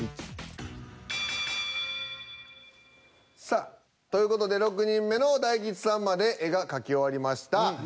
さあという事で６人目の大吉さんまで絵が描き終わりました。